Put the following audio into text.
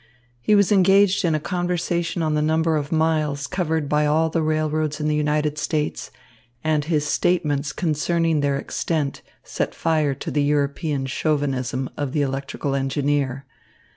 He was engaged in a conversation on the number of miles covered by all the railroads in the United States, and his statements concerning their extent set fire to the European chauvinism of the electrical engineer.